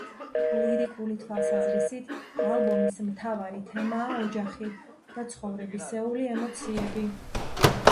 ლირიკული თვალსაზრისით ალბომის მთავარი თემაა ოჯახი და ცხოვრებისეული ემოციები.